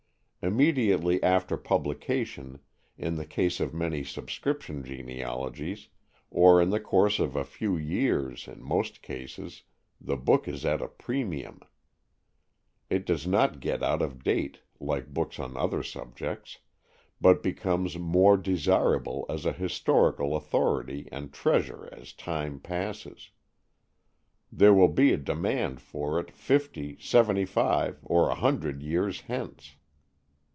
Immediately after publication, in the case of many "subscription" genealogies, or in the course of a few years, in most cases, the book is at a premium. It does not get out of date, like books on other subjects, but becomes more desirable as a historical authority and treasure as time passes. There will be a demand for it fifty, seventy five, or a hundred years hence.